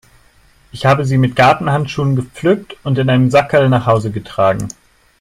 Ich habe sie mit Gartenhandschuhen gepflückt und in einem Sackerl nach Hause getragen.